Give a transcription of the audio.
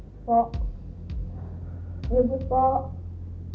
sudah jam berapa ini